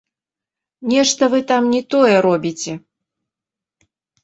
Нешта вы там не тое робіце!